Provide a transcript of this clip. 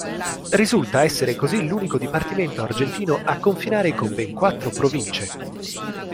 Risulta essere così l'unico dipartimento argentino a confinare con ben quattro province.